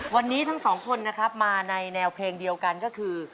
วันนี้ทั้งสองคนนะครับมาในแนวเพลงเดียวกันก็คือ